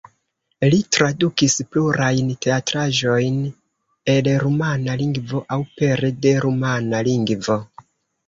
Li tradukis plurajn teatraĵojn el rumana lingvo aŭ pere de rumana lingvo.